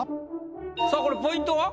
さあこれポイントは？